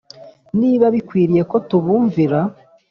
niba bikwiriye ko tubumvira